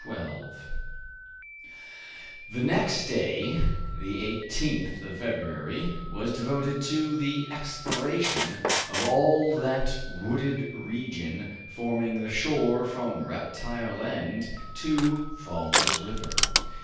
Chapter 12 The next day, the 18th of February, was devoted to the exploration of all that wooded region forming the shore from Reptile End to Falls River.